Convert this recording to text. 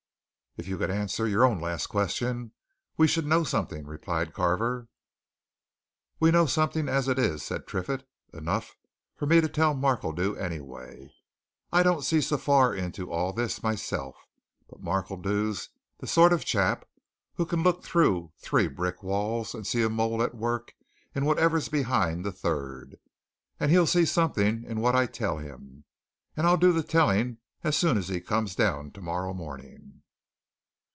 "If you could answer your own last question, we should know something," replied Carver. "We know something as it is," said Triffitt. "Enough for me to tell Markledew, anyway. I don't see so far into all this, myself, but Markledew's the sort of chap who can look through three brick walls and see a mole at work in whatever's behind the third, and he'll see something in what I tell him, and I'll do the telling as soon as he comes down tomorrow morning."